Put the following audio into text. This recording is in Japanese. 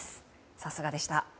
さすがでした。